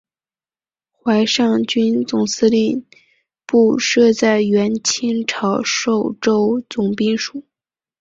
淮上军总司令部设在原清朝寿州总兵署。